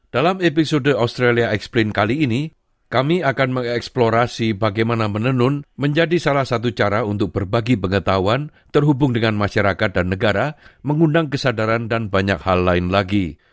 dalam episode australia explin kali ini kami akan mengeksplorasi bagaimana menenun menjadi salah satu cara untuk berbagi pengetahuan terhubung dengan masyarakat dan negara mengundang kesadaran dan banyak hal lain lagi